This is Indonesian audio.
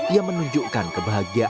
ia menunjukkan kebahagiaan